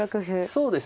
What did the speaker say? そうですね。